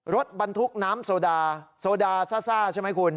รถบรรทุกน้ำโซดาโซดาซ่าใช่ไหมคุณ